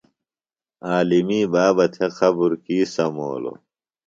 عالمی بابہ تھےۡ قبر کی سمولوۡ؟